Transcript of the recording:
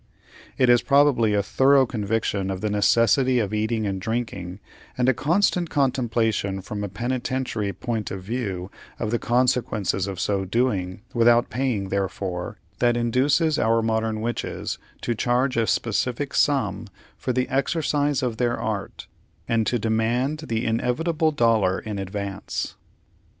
It is probably a thorough conviction of the necessity of eating and drinking, and a constant contemplation from a Penitentiary point of view of the consequences of so doing without paying therefor, that induces our modern witches to charge a specific sum for the exercise of their art, and to demand the inevitable dollar in advance.